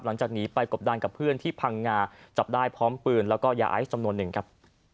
หลังจากนี้ไปกบดันกับเพื่อนที่พังงาจับได้พร้อมปืนแล้วก็ยาไอซ์จำนวนหนึ่งครับ